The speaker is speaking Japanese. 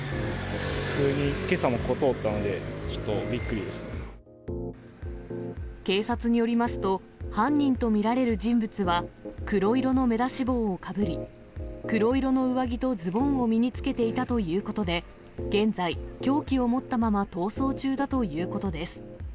普通にけさもここ通ったので、警察によりますと、犯人と見られる人物は、黒色の目出し帽をかぶり、黒色の上着とズボンを身に着けていたということで、現在、凶器を持ったまま逃走中だということです。